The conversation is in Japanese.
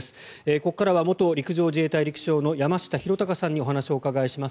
ここからは元陸上自衛隊陸将の山下裕貴さんにお話をお伺いします。